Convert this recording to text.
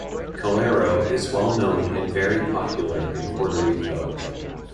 Calero is well-known and very popular in Puerto Rico.